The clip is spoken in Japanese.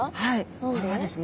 これはですね